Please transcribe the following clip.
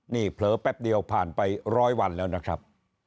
นี่เผลอแป๊บเดียวผ่านไปร้อยวันแล้วนะครับ